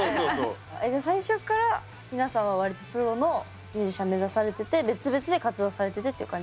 えじゃあ最初から皆さんは割とプロのミュージシャン目指されてて別々で活動されててっていう感じ？